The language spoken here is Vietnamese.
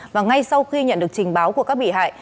và ngay sau khi nhận được trình báo của các bị hại